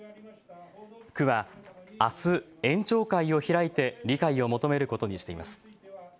区はあす、園長会を開いて理解を求めることにしています。